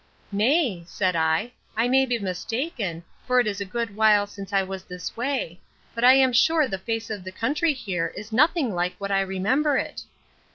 —Nay, said I, I may be mistaken; for it is a good while since I was this way; but I am sure the face of the country here is nothing like what I remember it.